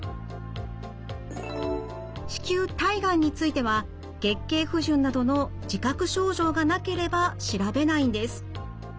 子宮体がんについては月経不順などの自覚症状がなければ調べないんです。